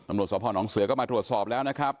ตำรวจสพนเสือก็มาตรวจสอบแล้วนะครับ